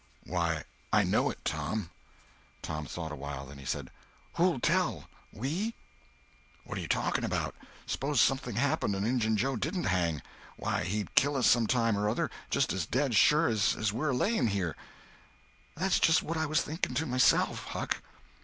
"Why, I know it, Tom." Tom thought a while, then he said: "Who'll tell? We?" "What are you talking about? S'pose something happened and Injun Joe didn't hang? Why, he'd kill us some time or other, just as dead sure as we're a laying here." "That's just what I was thinking to myself, Huck."